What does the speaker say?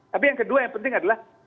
tapi yang kedua yang penting adalah